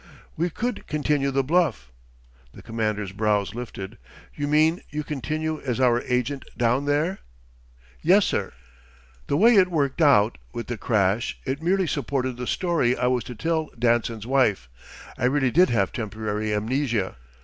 "We could continue the bluff." The Commander's brows lifted. "You mean you continue as our agent down there?" "Yes, sir. The way it worked out, with the crash, it merely supported the story I was to tell Danson's wife. I really did have temporary amnesia.